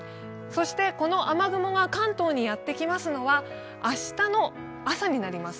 この雨雲が関東にやってきますのは明日の朝になります。